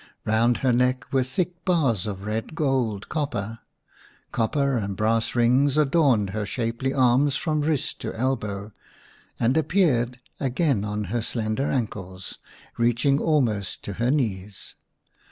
Eound her neck were thick bars of red gold copper ; copper and brass rings adorned her shapely arms from wrist to elbow, and appeared again on her slender ankles, reaching almost to her knees.